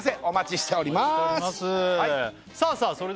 お待ちしておりますさあさあ